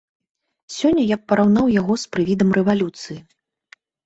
Сёння я б параўнаў яго з прывідам рэвалюцыі.